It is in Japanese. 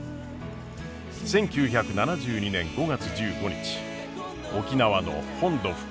１９７２年５月１５日沖縄の本土復帰。